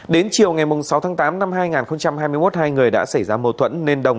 đến chiều ngày sáu tháng tám năm hai nghìn hai mươi một hai người đã xảy ra mâu thuẫn